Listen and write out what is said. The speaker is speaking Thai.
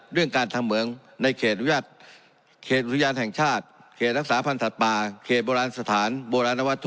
เรื่องการทำเหมืองในเขตอนุญาตเขตอุทยานแห่งชาติเขตรักษาพันธ์สัตว์ป่าเขตโบราณสถานโบราณวัตถุ